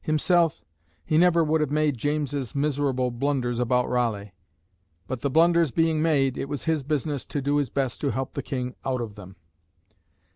Himself, he never would have made James's miserable blunders about Raleigh; but the blunders being made, it was his business to do his best to help the King out of them.